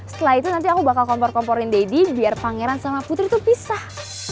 setelah itu nanti aku bakal kompor komporin deddy biar pangeran sama putri itu pisah